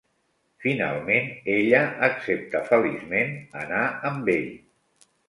Finalment, ella accepta feliçment anar amb ell.